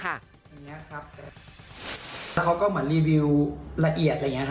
เขาก็ก็รีวิวละเอียดแบบนี้